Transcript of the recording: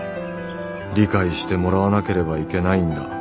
理解してもらわなければいけないんだ。